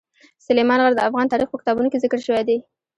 سلیمان غر د افغان تاریخ په کتابونو کې ذکر شوی دي.